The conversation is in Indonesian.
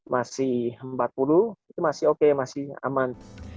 masih empat puluh itu masih oke masih aman